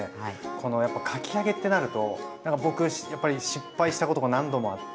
このやっぱかき揚げってなると僕やっぱり失敗したことが何度もあって。